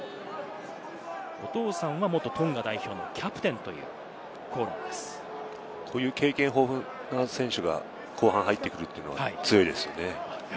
お父さんは元トンガ代表のキャプテンというこういう経験豊富な選手が後半入ってくるというのは強いですよね。